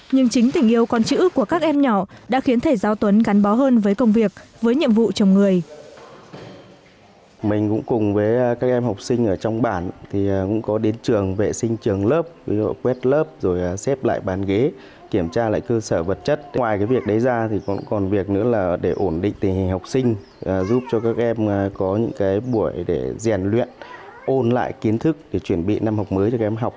nhiều con chữ của các em nhỏ đã khiến thầy giáo tuấn gắn bó hơn với công việc với nhiệm vụ chồng người